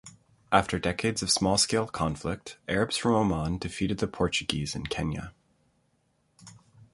After decades of small-scale conflict, Arabs from Oman defeated the Portuguese in Kenya.